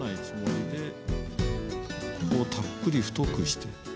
ここをたっぷり太くして。